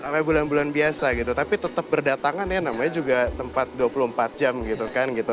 namanya bulan bulan biasa gitu tapi tetap berdatangan ya namanya juga tempat dua puluh empat jam gitu kan gitu